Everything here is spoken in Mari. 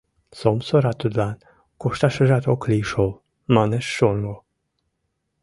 — Сомсора тудлан кошташыжат ок лий шол, — манеш шоҥго.